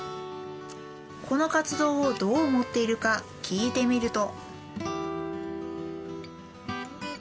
この活動をどう思っているか聞いてみると。